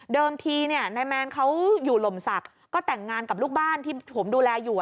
ทีเนี่ยนายแมนเขาอยู่ลมศักดิ์ก็แต่งงานกับลูกบ้านที่ผมดูแลอยู่